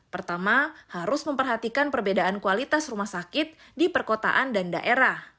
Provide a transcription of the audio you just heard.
pertama harus memperhatikan perbedaan kualitas rumah sakit di perkotaan dan daerah